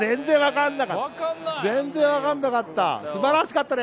全然分からなかった！